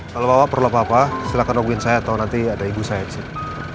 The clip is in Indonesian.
kalau pak bapak perlu apa apa silakan jemputin saya atau nanti ada ibu saya disini